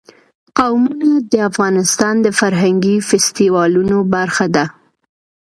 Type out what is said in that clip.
قومونه د افغانستان د فرهنګي فستیوالونو برخه ده.